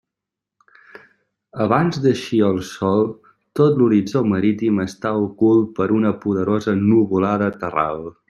Abans d'eixir el sol tot l'horitzó marítim està ocult per una poderosa nuvolada terral.